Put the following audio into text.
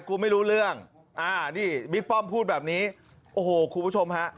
ไม่รู้เรื่องอ่านี่บิ๊กป้อมพูดแบบนี้โอ้โหคุณผู้ชมฮะ